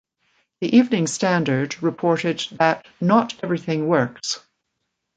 The "Evening Standard" reported that "Not everything works".